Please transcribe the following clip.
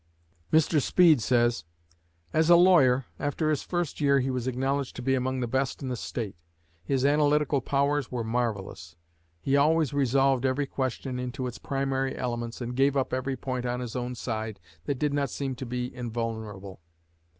Mr. Speed says: "As a lawyer, after his first year he was acknowledged to be among the best in the State. His analytical powers were marvellous. He always resolved every question into its primary elements, and gave up every point on his own side that did not seem to be invulnerable.